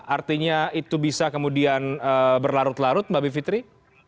artinya itu bisa kemudian berlarut larut mbak bivitri